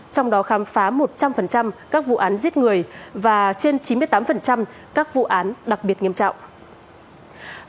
trong đó khám phá một trăm linh các vụ án giết người và trên chín mươi tám các vụ án đặc biệt nghiêm trọng